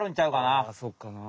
あそっかなあ。